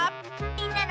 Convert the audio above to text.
「みんなの」。